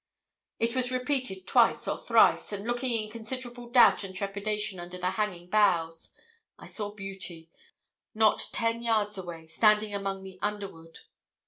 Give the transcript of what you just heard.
It was repeated twice or thrice, and, looking in considerable doubt and trepidation under the hanging boughs, I saw Beauty, not ten yards away, standing among the underwood.